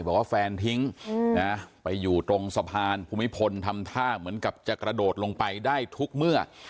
บอกว่าแฟนทิ้งนะไปอยู่ตรงสะพานภูมิพลทำท่าเหมือนกับจะกระโดดลงไปได้ทุกเมื่อ